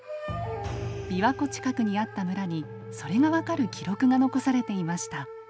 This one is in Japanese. びわ湖近くにあった村にそれが分かる記録が残されていました。